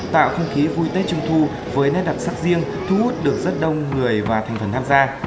tạo không khí vui tết trung thu với nét đặc sắc riêng thu hút được rất đông người và thành phần tham gia